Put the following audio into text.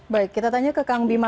baik kita tanya ke kang bima